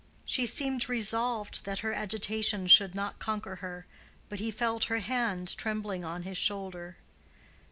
She seemed resolved that her agitation should not conquer her, but he felt her hand trembling on his shoulder.